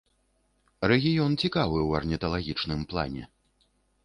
Рэгіён цікавы ў арніталагічным плане.